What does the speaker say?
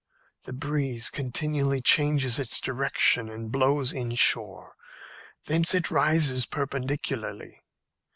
The breeze continually changes its direction and blows inshore; thence it rises perpendicularly.